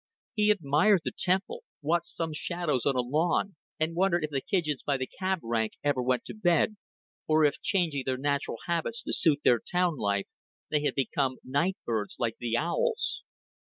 He admired the Temple, watched some shadows on a lawn, and wondered if the pigeons by the cab rank ever went to bed, or if, changing their natural habits to suit their town life, they had become night birds like the owls.